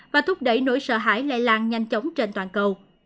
và thúc đẩy nỗi sợ hãi lây lan nhanh chóng trên toàn cầu